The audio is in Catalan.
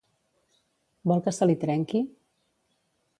Vol que se li trenqui?